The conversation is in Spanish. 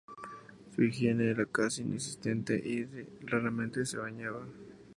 Su higiene era casi inexistente y raramente se bañaba.